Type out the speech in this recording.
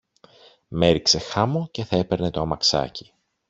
με έριξε χάμω και θα έπαιρνε το αμαξάκι